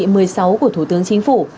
chỉ thị một mươi sáu của thủ tướng chính phủ